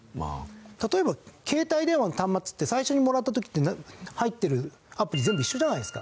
例えば携帯電話の端末って最初にもらった時って入ってるアプリ全部一緒じゃないですか。